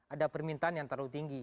ada permintaan yang terlalu tinggi